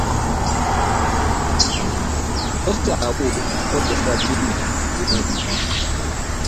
Tusalewo okukozesa olulimi lumu.